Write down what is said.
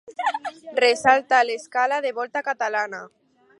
Ressalta l'escala de volta catalana.